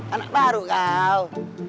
anak baru kau